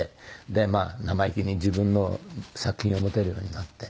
でまあ生意気に自分の作品を持てるようになって。